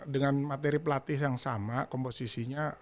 dengan materi pelatih yang sama komposisinya